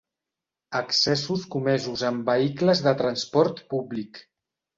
Excessos comesos en vehicles de transport públic.